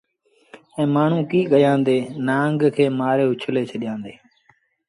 اُئي مآڻهوٚٚݩ ڪيٚ ڪيآݩدي نآݩگ کي مآري اُڇلي ڇڏيآݩدي